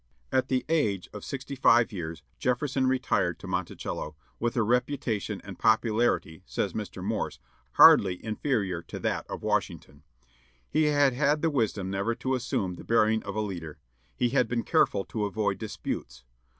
At the age of sixty five years, Jefferson retired to Monticello, "with a reputation and popularity," says Mr. Morse, "hardly inferior to that of Washington." He had had the wisdom never to assume the bearing of a leader. He had been careful to avoid disputes.